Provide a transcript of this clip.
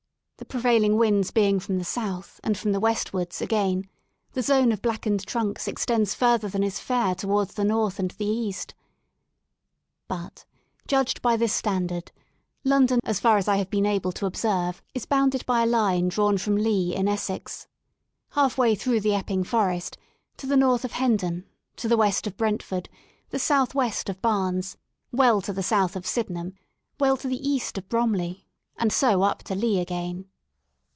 The prevailing winds being from the south and froni the westwards, again, the zone of blackened trunks extends further than is fair towards the north and the east. But judged by this standard, London, as far as I have been able to observe, is bounded by a line drawn from Leigh, in Essex, half way through the Epping Forest, to the north of Hen don, to the west of Brentford, the southwest of Barnes, well to the south of Sydenham, well to the east of Bromley, and so up to Leigh again.